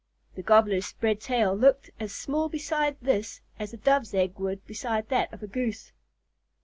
The Gobbler's spread tail looked as small beside this as a Dove's egg would beside that of a Goose.